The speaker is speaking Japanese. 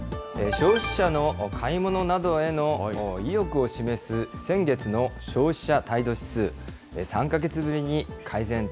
消費者の買い物などへの意欲を示す先月の消費者態度指数。